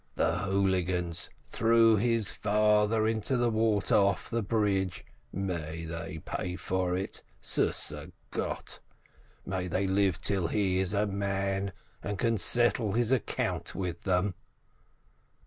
"The hooligans threw his father into the water off the bridge — may they pay for it, siisser Gott ! May they live till he is a man, and can settle his account with them